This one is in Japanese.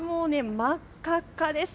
真っ赤っかです。